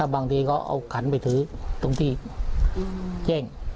บางทีก็เอาขันไปถือตรงที่แจ้ง